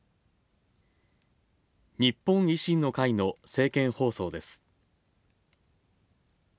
日本維新の会の政見放送です。